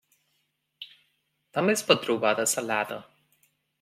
També es pot trobar dessalada.